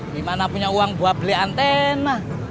dimana punya uang buat beli antena